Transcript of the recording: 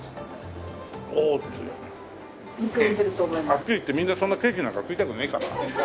はっきり言ってみんなそんなケーキなんか食いたくねえからな。